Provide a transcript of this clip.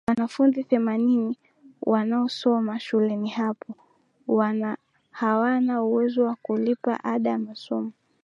Wanafunzi themanini wanaosoma shuleni hapo hawana uwezo wa kulipa ada ya masomo